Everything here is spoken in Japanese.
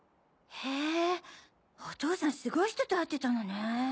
へぇお父さんすごい人と会ってたのね。